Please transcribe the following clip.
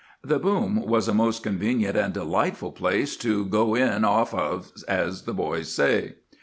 The boom was a most convenient and delightful place 'to go in off of,' as the boys say.